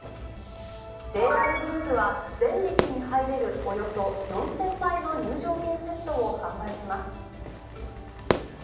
ＪＲグループは、全駅に入れるおよそ４０００枚の入場券セットを販売します。